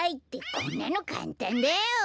こんなのかんたんだよ！